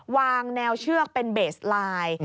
วางแนวเชือกเป็นเบสไลน์